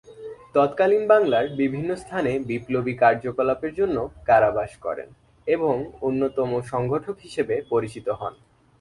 তৎকালীন বাংলার বিভিন্ন স্থানে বিপ্লবী কার্যকলাপের জন্য কারাবাস করেন এবং অন্যতম সংগঠক হিসেবে পরিচিত হন।